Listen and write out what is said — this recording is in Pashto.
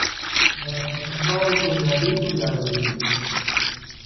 د سمونپالو په ارادې پورې اړه لري.